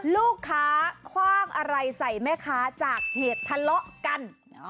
ลูกค้าคว่างอะไรใส่แม่ค้าจากเหตุทะเลาะกัน